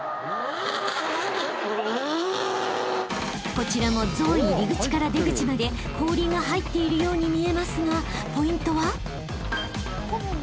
［こちらもゾーン入り口から出口まで後輪が入っているように見えますがポイントは？］